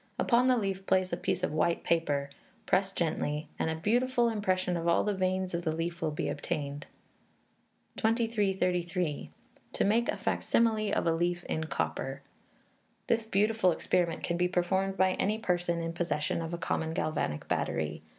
Upon the leaf place a piece of white paper, press gently, and a beautiful impression of all the veins of the leaf will be obtained. 2333. To make a Fac simile of a Leaf in Copper. This beautiful experiment can be performed by any person in possession of a common galvanic battery.